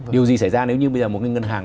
điều gì xảy ra nếu như bây giờ một cái ngân hàng